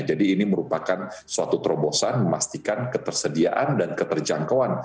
jadi ini merupakan suatu terobosan memastikan ketersediaan dan keterjangkauan